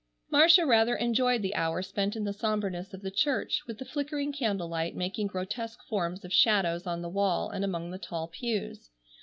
Marcia rather enjoyed the hour spent in the sombreness of the church, with the flickering candle light making grotesque forms of shadows on the wall and among the tall pews.